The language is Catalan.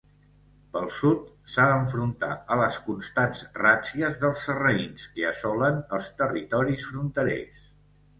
Pel sud s'ha d'enfrontar a les constants ràtzies dels sarraïns que assolen els territoris fronterers.